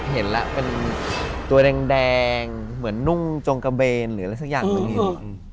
เห็นแล้วเป็นตัวแดงเหมือนนุ่งจงกระเบนหรืออะไรสักอย่างหนึ่งเห็น